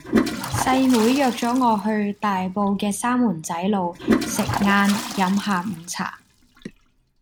細妹約左我去大埔嘅三門仔路食晏飲下午茶